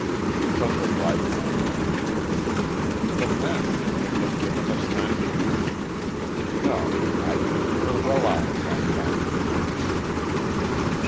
"But the rifles?" "Even then, they wouldn't have given us time to use them. No. I think we're well out of that racket, Coates."